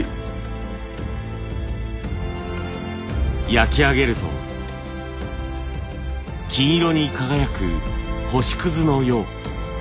焼き上げると金色に輝く星くずのよう。